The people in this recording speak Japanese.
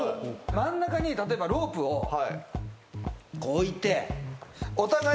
真ん中に例えばロープを置いて。